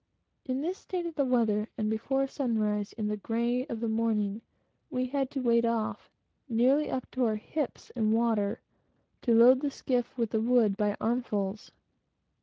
In this state of the weather and before sunrise, in the grey of the morning, we had to wade off, nearly up to our hips in water, to load the skiff with the wood by armsfull.